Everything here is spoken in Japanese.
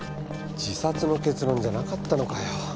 自殺の結論じゃなかったのかよ。